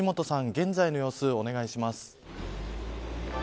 現在の様子をお願いします。